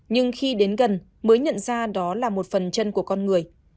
nhưng khi đến gần mới nhận ra đó là một phần chân của con người